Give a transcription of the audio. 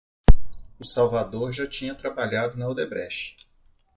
O Salvador já tinha trabalhado na Odebrecht.